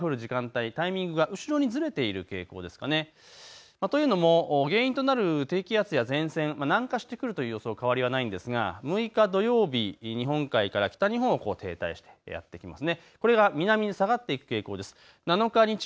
７日、８日と雨が降りやすい、だんだん雨が降るタイミングが後ろにずれている傾向ですかね。というのも原因となる低気圧や前線、南下してくるという予想に変わりはないんですが６日土曜日、日本海から北日本のに停滞しています。